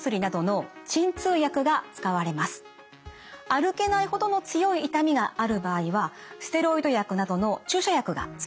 歩けないほどの強い痛みがある場合はステロイド薬などの注射薬が使われます。